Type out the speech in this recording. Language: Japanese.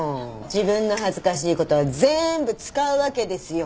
自分の恥ずかしいことは全部使うわけですよ